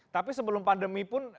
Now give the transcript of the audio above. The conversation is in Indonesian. tapi sebelum pandemi pun